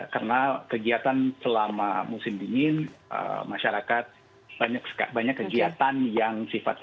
karena kegiatan selama musim dingin masyarakat banyak kegiatan yang sifatnya